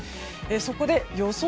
そこで予想